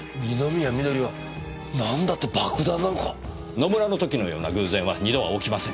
野村の時のような偶然は２度は起きません。